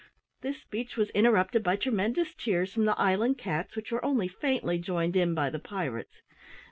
This speech was interrupted by tremendous cheers from the island cats which were only faintly joined in by the pirates.